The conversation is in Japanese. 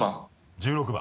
１６番。